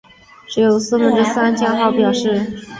另有四分之三降号表示。